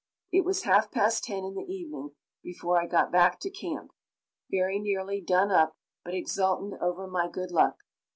It was half past 10 in the evening before I got back to camp, very nearly done up, but exultant over my good luck.